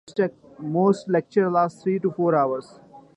Most lectures last three to four hours.